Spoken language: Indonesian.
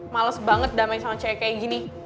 males banget damai sama cewek kayak gini